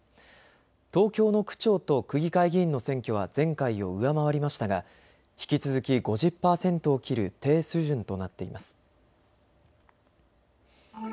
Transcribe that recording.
東京の区長と区議会議員の選挙は前回を上回りましたが引き続き５０％を切る低水準となっています。